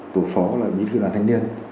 tổ phó là mỹ thư đoàn thanh niên